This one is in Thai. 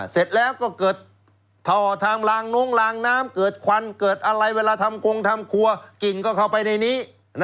เสร็จแล้วก็เกิดท่อทางลางนุ้งลางน้ำเกิดควันเกิดอะไรเวลาทำกงทำครัวกิ่งก็เข้าไปในนี้